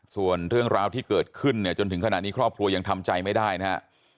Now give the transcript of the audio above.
ส่วนเรื่องราวที่เกิดขึ้นเนี่ยจนถึงขณะนี้ครอบครัวยังทำใจไม่ได้นะฮะ